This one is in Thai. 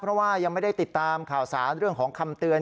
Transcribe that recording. เพราะว่ายังไม่ได้ติดตามข่าวสารเรื่องของคำเตือน